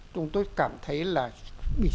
chúng tôi cảm thấy là phải viết dự